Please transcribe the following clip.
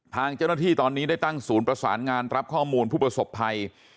ทางเจ้าหน้าที่ตอนนี้ได้ตั้งศูนย์ประสานงานรับข้อมูลผู้ประสบภัย